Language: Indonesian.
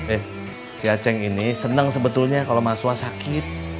eh si acing ini senang sebetulnya kalau mas suha sakit